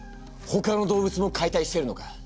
ほかの動物も解体してるのか？